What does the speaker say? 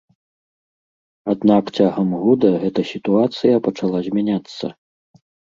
Аднак цягам года гэта сітуацыя пачала змяняцца.